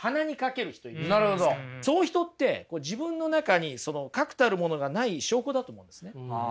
そういう人って自分の中に確たるものがない証拠だと思うんですね。